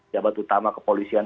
jabat utama kepolisian